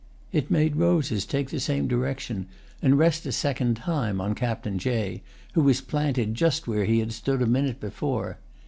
It made Rose's take the same direction and rest a second time on Captain Jay, who was planted just where he had stood a minute before.